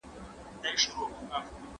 کمپيوټر اداره سموي.